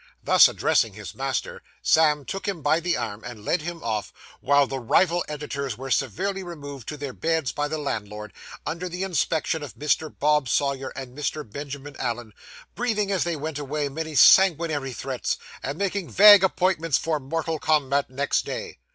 Thus addressing his master, Sam took him by the arm, and led him off, while the rival editors were severally removed to their beds by the landlord, under the inspection of Mr. Bob Sawyer and Mr. Benjamin Allen; breathing, as they went away, many sanguinary threats, and making vague appointments for mortal combat next day.